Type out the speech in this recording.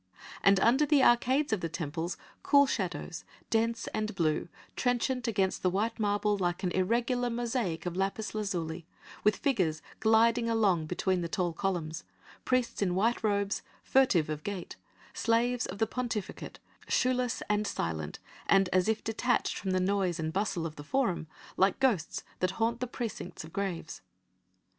And under the arcades of the temples cool shadows, dense and blue, trenchant against the white marble like an irregular mosaic of lapis lazuli, with figures gliding along between the tall columns, priests in white robes, furtive of gait, slaves of the pontificate, shoeless and silent and as if detached from the noise and bustle of the Forum, like ghosts that haunt the precincts of graves.